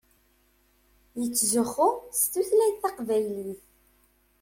Yettzuxxu s tutlayt taqbaylit.